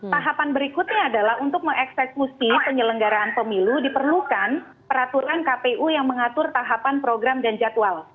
tahapan berikutnya adalah untuk mengeksekusi penyelenggaraan pemilu diperlukan peraturan kpu yang mengatur tahapan program dan jadwal